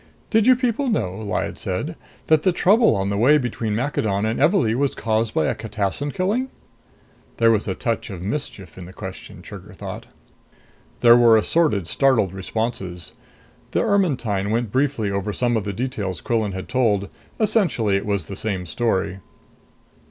"Did you people know," Lyad said, "that the trouble on the way between Maccadon and Evalee was caused by a catassin killing?" There was a touch of mischief in the question, Trigger thought. There were assorted startled responses. The Ermetyne went briefly over some of the details Quillan had told; essentially it was the same story.